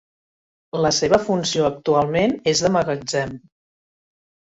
La seva funció actualment és de magatzem.